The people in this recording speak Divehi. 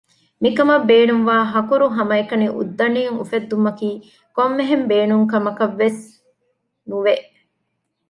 މިކަމަށް ބޭނުންވާ ހަކުރު ހަމައެކަނި އުއްދަޑީން އުފެއްދުމަކީ ކޮންމެހެން ބޭނުން ކަމަކަށްވެސް ނުވެ